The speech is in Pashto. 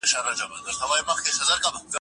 ځکه خو د نورو دروېشانو غوندې